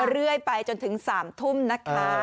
เรื่อยไปจนถึง๓ทุ่มนะคะ